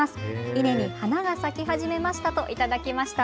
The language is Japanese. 稲に花が咲き始めましたと頂きました。